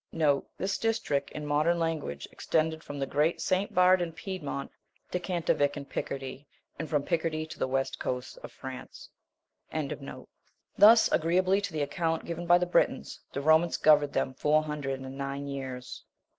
* This district, in modern language, extended from the great St. Bernard in Piedmont to Cantavic in Picardy, and from Picardy to the western coast of France. 28. Thus, aggreeably to the account given by the Britons, the Romans governed them four hundred and nine years.